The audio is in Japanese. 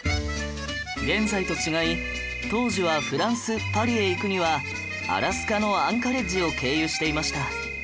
現在と違い当時はフランスパリへ行くにはアラスカのアンカレッジを経由していました